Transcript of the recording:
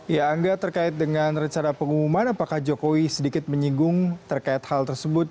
ya angga terkait dengan rencana pengumuman apakah jokowi sedikit menyinggung terkait hal tersebut